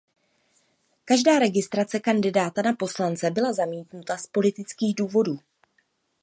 Každá registrace kandidáta na poslance byla zamítnuta z politických důvodů.